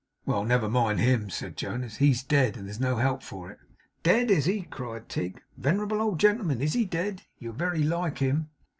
'Well, never mind HIM,' said Jonas. 'He's dead, and there's no help for it.' 'Dead, is he!' cried Tigg, 'Venerable old gentleman, is he dead! You're very like him.